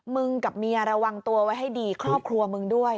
กับเมียระวังตัวไว้ให้ดีครอบครัวมึงด้วย